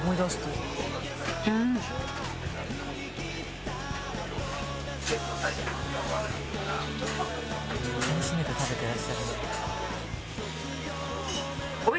かみしめて食べてらっしゃる。